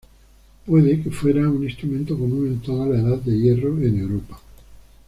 Puede que fuera un instrumento común en toda la Edad de Hierro en Europa.